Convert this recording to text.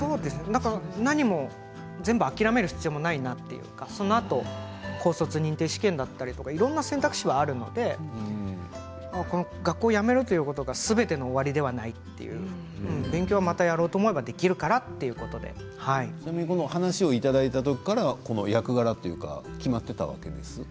何も全部諦める必要もないなというか、そのあと高卒認定試験だったりいろんな選択肢があるので学校を辞めるということがすべての終わりではないという勉強はまたやろうと思えばちなみに、この話をいただいた時からこの役柄は決まっていたわけですか？